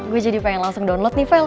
gue jadi pengen langsung download nih vel